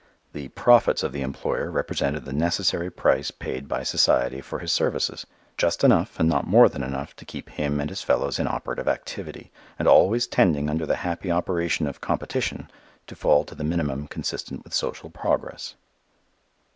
The "profits" of the employer represented the necessary price paid by society for his services, just enough and not more than enough to keep him and his fellows in operative activity, and always tending under the happy operation of competition to fall to the minimum consistent with social progress.